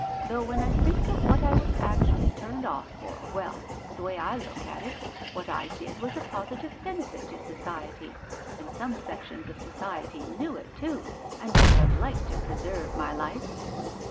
Though when I think of what I was actually turned off ior l well — the way I look at it, what I did was a positive benefit to Society, and some sections of Society knew it, too, and would have liked to preserve my life."